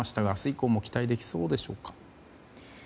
以降も期待はできそうでしょうか。